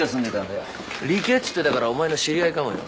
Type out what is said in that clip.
理系って言ってたからお前の知り合いかもよ